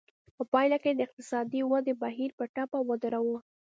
په پایله کې د اقتصادي ودې بهیر په ټپه ودراوه.